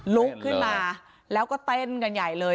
ลุกขึ้นมาแล้วก็เต้นกันใหญ่เลย